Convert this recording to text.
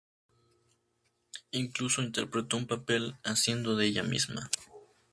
Incluso interpretó un papel haciendo de ella misma.